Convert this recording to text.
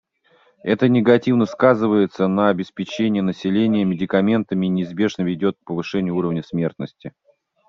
Это негативно сказывается на обеспечении населения медикаментами и неизбежно ведет к повышению уровня смертности.